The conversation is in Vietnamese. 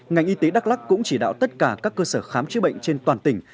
ngành y tế đắk lắc cũng chỉ đạo tất cả các cơ sở khám chữa bệnh trên toàn tỉnh